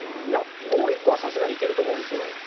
もう１個はさすがにいけると思うんですよ。